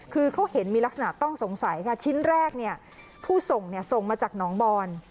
คือเขาเห็นมีลักษณะต้องสงสัยค่ะชิ้นแรกเนี่ยผู้ส่งส่งมาจากหนองบอน